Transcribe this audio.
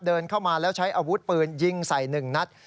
เดินเข้ามาแล้วใช้อาวุธปืนยิงใส่๑นัด